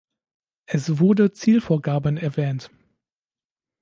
Es wurde Zielvorgaben erwähnt.